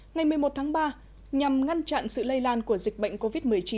ngày một mươi một tháng ba nhằm ngăn chặn sự lây lan của dịch bệnh covid một mươi chín